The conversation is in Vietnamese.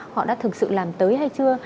họ đã thực sự làm tới hay chưa